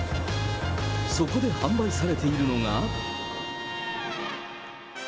そこで販売されているのが。